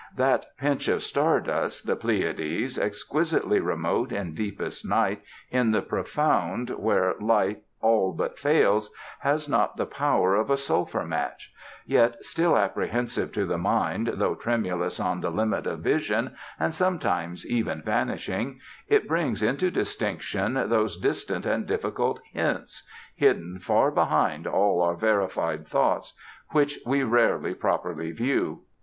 That pinch of star dust, the Pleiades, exquisitely remote in deepest night, in the profound where light all but fails, has not the power of a sulphur match; yet, still apprehensive to the mind though tremulous on the limit of vision, and sometimes even vanishing, it brings into distinction those distant and difficult hints hidden far behind all our verified thoughts which we rarely properly view.